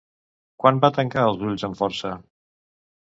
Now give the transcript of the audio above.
Quan va tancar els ulls amb força?